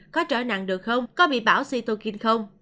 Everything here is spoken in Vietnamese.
có trở nặng được không có bị bão cytokine không